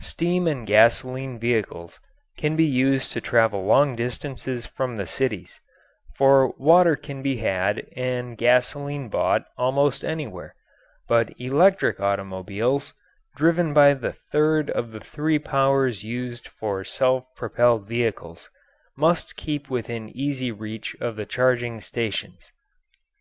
Steam and gasoline vehicles can be used to travel long distances from the cities, for water can be had and gasoline bought almost anywhere; but electric automobiles, driven by the third of the three powers used for self propelled vehicles, must keep within easy reach of the charging stations.